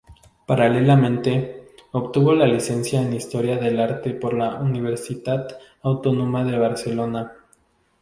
Paralelamente, obtuvo la licenciatura en Historia del arte por la Universitat Autònoma de Barcelona.